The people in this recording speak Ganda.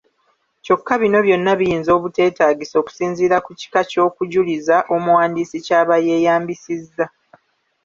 Kyokka bino byonna biyinza obuteetaagisa okusinziira ku kika ky’okujuliza omuwandiisi ky'aba yeeyambisizza.